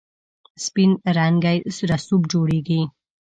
سپین رنګی رسوب جوړیږي.